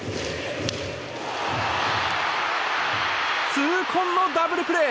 痛恨のダブルプレー！